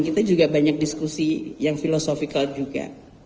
kita juga banyak diskusi yang filosofical juga